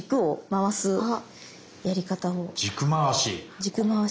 軸回し。